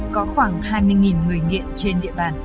có khoảng hai mươi người nghiện trên địa bàn